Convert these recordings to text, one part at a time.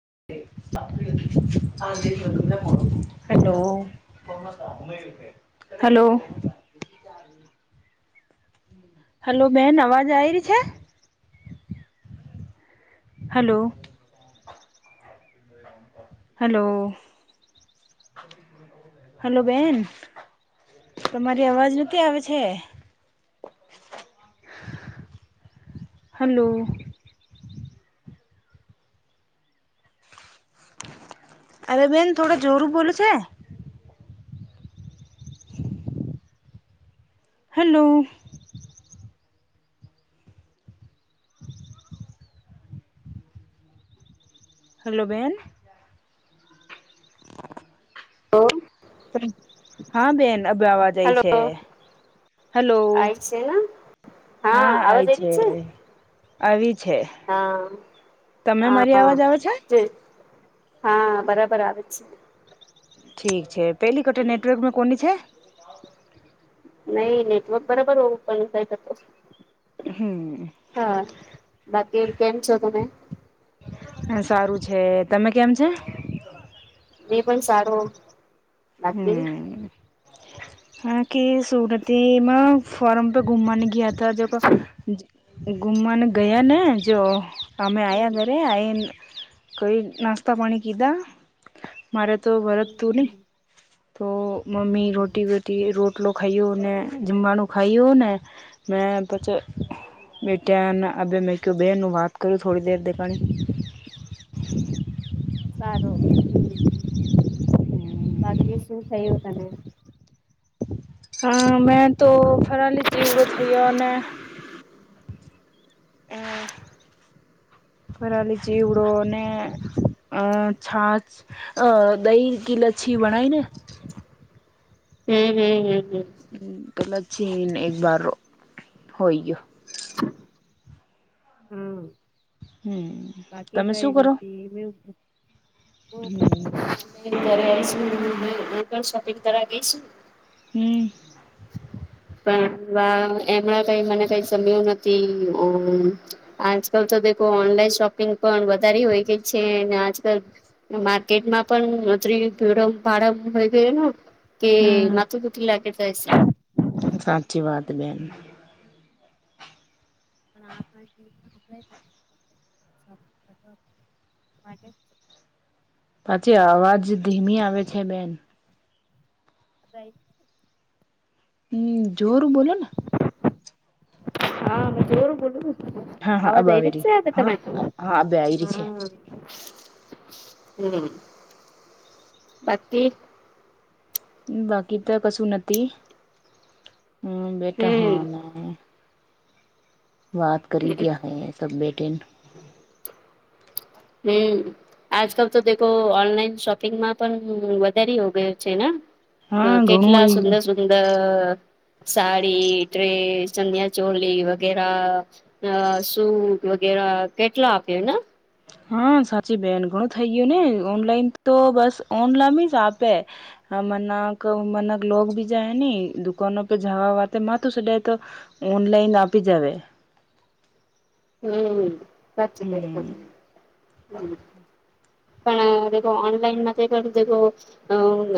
[inaudible] Hello. Hello. [inaudible] Hello બેન અવાજ આ આવી ર છે. હલો. હલો હલો બેન. તમારી અવાજ નથી આવે છે. [inaudible] હલો‌. અરે બેન થોડા જરુ બોલોું છે. હલો. હલો બેન. હ [unintelligible] હા બેન અભ આવવા જાય છે હલો હેલો. આય છે ને હા આવી છે આવી. હા તને મારી હા અવાજ આવે છે. જે હા બરાબર આવે છે. ઠીક છે પહેલી કટા નેટવર્કમાં કોને છે. નહી નેટવર્ક બરાબર હોવું પણ કઈ કરતો હમ હા બાકી કેમ છો તમે. સારું છે તમે કેમ છે. એ પણ સારું. હમ. [inaudible] હા કે સુરતીમાં ફારમ પે ઘુમાને ગયા ત જે. ઘુમાને ગયા ને જો. અમે હમ આયા ઘરે આ કઈ નાસ્તા પાણી કીધા મારે તો વરતતું ને હમ તો હા મમ્મી હા રોટી વોટી રોટ ટલો ખાયુ ને જમવાનું ખાયુ ને મેં પછ બેટાને આબે મે ક્યું બહેનનું વાત કર્યું થોડી દેર દેકાણે [inaudible] સારો હમ બાકી શું થયું તને હા મેં તો ફરાલી ચેવડો થયો અને [inaudible] ફરાલી ચેવડો ને અ છાછ અ દહી કી લચ્છી બણાઈ ને [inaudible] હમ હમ હમ હમ હ તો લચ્છીને એક બાર હોય યો હમ હમ બાકી તમે કઈ શું કરો નથી એ હમ ોપિંગ કરવાઈું [unintelligible] હમ એમણાં કઈ મને કઈ સમ્યું નથી આજકાલ તો દેખો ઓનલાઈન શોપિંગ પણ વધારે હોય ગઈ છે આજકાલ માર્કેટમાં પણ અત્રિ બેવડમ ભાડા હો ગયો ન કે નાથ હમ દટી લાગે જાય છે સાચી વાત બેન પણ આપણા જીવ આપ [unintelligible] [unintelligible] પાછી અવાજ ધીમી આવે છે બેન અ [unintelligible] હમ જોર બોલો ને હા જોર બોલું હું હા હા અબ આવેરી હા હા આ આઇરી છે હા હમ બાકી બાકી તો કશું નથી હમ બેટા હમ હા ને વાત કરી દ્યા હૈ સબ બેટેને હમ આજકાલ તો દેખો ઓનલાઈન શોપિંગમાં પણ વધારી હો ગયો છે ના હા ઘણું કેટલા હોય સુંદર સુંદર સાડી ડ્રેસ ચન્યાં ચોલી વગેરા અ સૂટ વગે રા કેટલો આપ્યો ન હા સાચી બેન ઘણું થઈ ગયું ને ઓનલાઈન તો બસ ઓનલામ જ આપે હ મનક મનક લોગ ભી જાયૈ ને દુકનો પે જવા વાતે માથું સડે તો ઓનલાઈન આપી જાવે હમ સાચું કે હમ તમે હમ પણ દેખો ઓનલાઈનમાં એ દેખો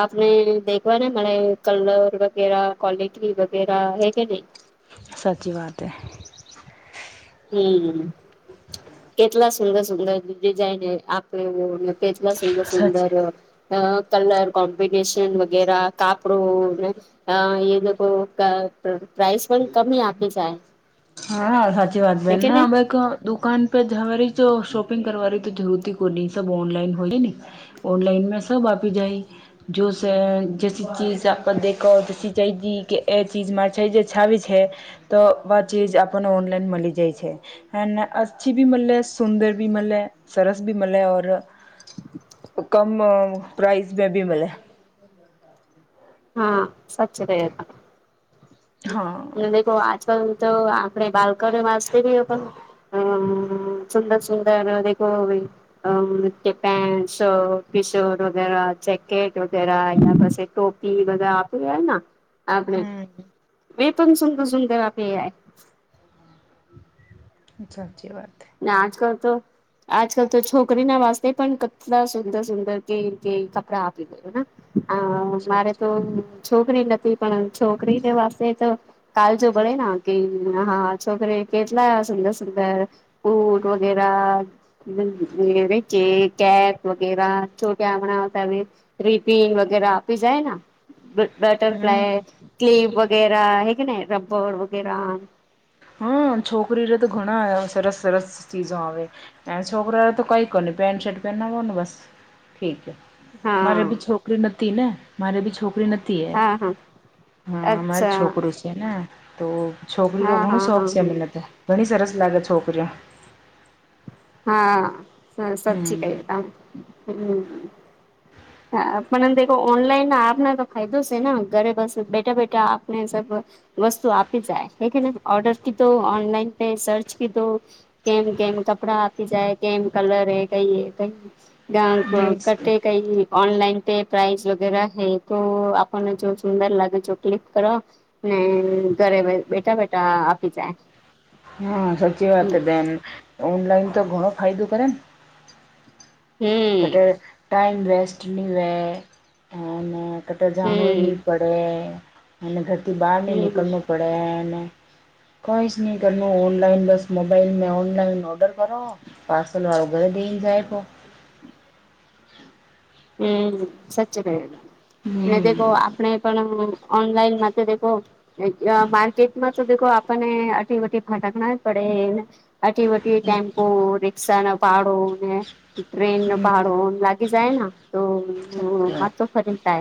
આપને દેખવા ન મળે કલર વગેરા ક્વોલિટી વગેરા હે કે ની સાચી વાત હે હમ કેટલા સુંદર સુંદર ડિઝાઇન આપે એવું કેટલા સુંદર સુંદર સાચી અ કલર કોમ્બિનેશન વગેરા કાપડું આ એ દેખો ક ક પ્રાઇસ પણ કમી આપી જાય હે બે કે નહી નાવે તો દુકાન પે જવેરી ની તો શોપિંગ કરવારી તો જરૂરત કો ની સબ ઓનલાઈન હોય ને ઓનલાઈન મે સબ આપી જાય જો સ જસી ચીજ આપ દેખા જસી ચાઇજી કે એ ચીજ મા સૈજે આવે છે તો વાહ ચીજ આપણને ઓનલાઈન મળી જાય છે હ ને આછી ભી મળે છે સુંદર ભી મલે સરસ ભી મલે ઔર કમ પ્રાઇઝ મે ભી મલે હા સચ રહ હતા હા ને દેખો આજકાલ તો આપણે બાલ્કનો વાસતે બી પણ અ સુંદર સુંદર દેખો પન્ટ શર્ટ ટી શર્ટ વગે જેકેટ વગે એને પાસે ટોપ બધા આપી રહયા આપણે હમ એકમ સુંદર સુંદર આપે સાચી વાત ને આજકાલ તો આજકાલ તો છોકરી ના વાસ્તે પણ કેટલા સુંદર સુંદર કે કે કપડા આપી દેે હ મારે સાચી તો છોકરી નથી પણ છોકરીને વાસ્તે તો કાલજો ભળેના કે હા છોકરી કેટલા સુંદર સુંદર બૂટ વગેરા રે [unintelligible] છે [unintelligible] કેપ વગેરા છોટા હમણાં રીપિંગ વગેરે આપી જાયને બ બટરફ્લાય હમ ક્લીપ વગેરા હે કે ન રબ્બર વગેરા હા છોકરીરે તો ઘણા સરસ સરસ ચીજો આવે છોકરા તો કઈ કો ન પેન્ટ શર્ટ પહેનાવોને બસ ઠીક હા મારે બી છોકરી નથી ને મારે બી છોકરી નથી તી એ હા હા હા અમારે અચ્છા છોકરુ છે ને તો છોકરીનો હા ઘણુ હા શોખ હા છેને ઘણી સરસ લાગે છોકરીઓ હા સ સચી કઇ હમ તા [unintelligible] હા પણેન ઓનલાઈન આપના તો ફાયદો સે ને ઘરે બસ બેઠા બેઠા આપને સ વસ્તુ આપી જાયે [unintelligible] ઓર્ડર કીધો ઓનલાઈન પે સર્ચ કીધો કે [unintelligible] આપડા [unintelligible] જાય કેમ કલર હૈ કઈ હૈ [unintelligible] કઠ કઈ ઓનલાઈન પ પ્રઇઝ વગેરે હ તો આપને જો સુુંદર લાગે જો ક્લિક કરો ને ઘરે બેઠા બેઠા આપી જાય હા સાચી વાત હમ બેન ઓનલાઈન તો ઘણો ફાયદો કરે હમ બટે ટાઈમ વેસ્ટ ની વે હો ને કટ જાણું ની હમ પડે અને ઘરથી બહાર ની હમ નીકળવુ પડેને [unintelligible] કોઈશ ન કરનુ ઓનલાઈન બસ મોબાઈલ મે ઓનલાઈન ઓર્ડર કરો પાર્સલ વાલો ઘરે દે જાય પો હ [unintelligible] હમ સચચી કે ને હમ દેખો આપણે પણ ઓનલાઈન માં તો દેકો માર્કેટમાં તો દેકો આપણને અટી વટી ભાટાકના પડે ને આટી વટી ટેમ્પો રિક્ષા ના ભાડો ને ટ્રેન ન હમ ભાડો લાગી જાયના તો સાચી મા વાત તો [unintelligible] ખરીય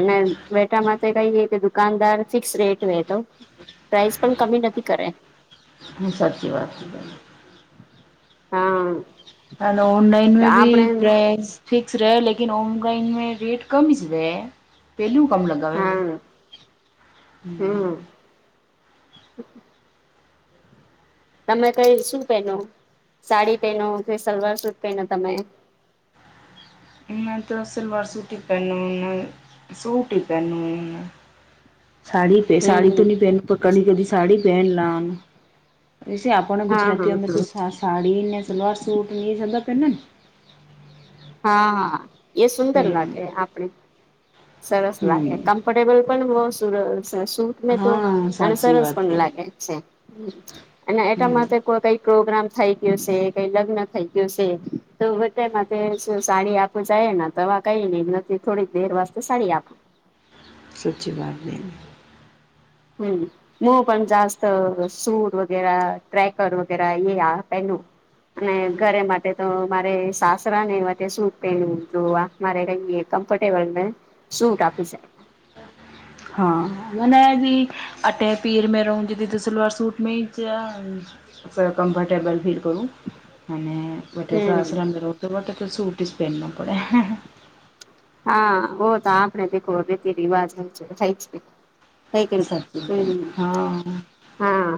અને વટામાં કઈ દ [unintelligible] દુકાનદાર ફિક્સ રેટ વ તો પ્રઇસ પણ કમી નથી કરે હ સાચી વાત હા અને ઓનલાઈન તો મે ભી આપણે પ્રાઈસ ઠીક રહે લકી ન ઓનલાઈન મે રેટ કમ એસ વે પેલું કમ લગાવે હા હમ હ [unintelligible] તમે કઈ શું પહેનો સાડી પહેનો કે સલવાર શૂટ પહેનો તમે [inaudible] મે તો સલવાર સૂટ હી પહેનુ ને સૂટ હી પહેનુ ને. [inaudible] સાડી પે સાડી હમ તો ની પહેનુ પ કની કેદી સાડી પહેન લાન. વેસે આપડને હા હા ગુજરાતીઓને હા તો સા સાડી ને સલવાર-સૂટ ને સતત [unintelligible] હા, હા એ સુંદર લાગે આપણે. સરસ લાગે હમ્મ કમ્ફર્ટેબલ પણ બઉ સુર સૂટ મેં તો હા અન સાચી સરસ વાત પણ હે લાગે છે. અને એટા હમ્મ માટે કોઈ કઈ પ્રોગ્રામ થઈ ગયો શે. કઈ લગ્ન થઈ ગયું શે. તો વટે માટે સાડી આપું જાયને તોવા કઈની નથી થોડી દેર વાજ સાડી આપું. સચી વાતને. હમ, મુ પણ જાસ્ત સૂર વગેરા ટ્રેકર વગેરા એ આ પેનું. અને ઘરે માટે તો મારે સાસરાને એવા તે સૂટ પેનું જોવા મારે કહીએ તો [unintelligible] સૂટ આપીશે. ના જી અટે પીર મે રઉગી તો ભી સલવાર સૂટ મેઈ ચ કમ્ફર્ટેબલ ફીલ કરું અને અટે તો હમ આશ્રમ [unintelligible] તો સૂટ જ પહેનના પડે. હા, હો તો આપને દિખો રીતિ-રિવાજ હોય છે. થાય જ થાય કે નઈ. સાચી બેન હમ હા હા.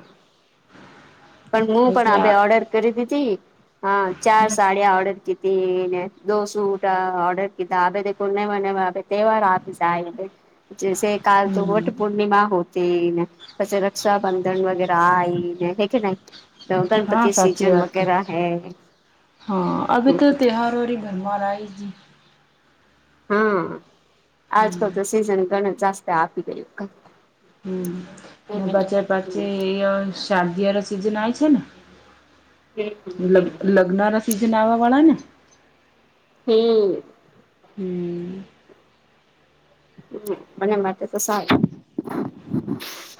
પણ મુ વૈસે પણ આપે આ ઓર્ડર કરી દીધી. હા, ચાર સાડીયા ઓર્ડરતી કીતી. ને દો સૂટ ઓર્ડરતા કીધા પૂર્ણિમાને માપે તહેવાર આપી જાય ને. જેસે કાલ તો હમ વટ પૂર્ણિમા હો તી ને. પસ રક્ષાબંધન વગેરા આઈ ને હે કે નઈ. તો હા ગણપતિ સિજન વગેરા હે. હન, અભી તો ત્યોહારોની ધનમાર આયેગી. હન, હમ આજકાલ તો સીઝન ઘણ જાસ્તે આપી ગયું ક. હમ ને બજાર પાછે એ અ શાર્દીયારા સીઝન આય છેન. લગ હમ લગ્નારા સિઝન આવા વાળાને. હમ. હમ. હ, પણ મટે તો સારું.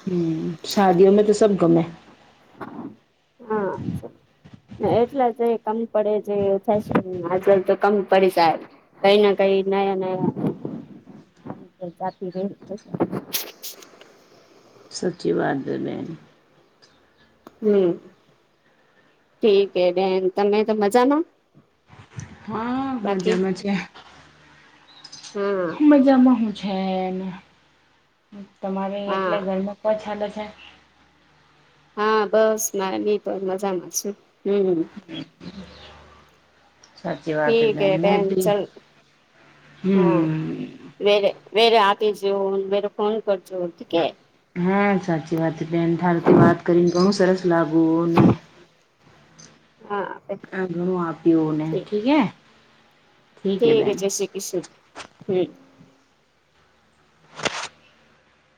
હમ, શાદીઓ મે તો સબ ગમે. હન, એટલે જ કમ પડે છે. ફેશન આજલ તો કમ પડી જાય. કઈ ના કઈ નયા-નયા જાતિ રહે [unintelligible] સાચી વાત [unintelligible] હમ, ઠીક હે બેન તમે તો મજામાં? હા, બાકી મજામાં છે. હા મજામાં હું છે ન. તમારે હા એટલે ઘરમાં કો ચાલે છે. હા, બસ મારા બી પણ મજામાં છે. હમ. સાચી વાત ઠીક હે મેં બેન. બી ચલ, હન. હમ વેરે વેરે આતી જ્યુન ત્યારે ફોન કર. હા, સાચી વાત છે. બેન થારથી વાત કરીને ઘણુ લાગુઓને. હા અગણુ આપ્યુને. ઠીક હે. ઠીક હે. જય શ્રી કૃષ્ણ. હમ.